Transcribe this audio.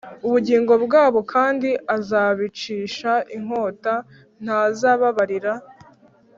ubugingo bwabo kandi azabicisha inkota Ntazabababarira